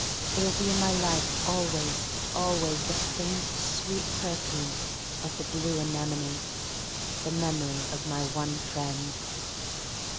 There will be in my life always — always the faint sweet perfume of the blue anemone: the memory of my one friend.